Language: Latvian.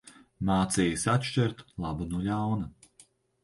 Mācījis atšķirt labu no ļauna.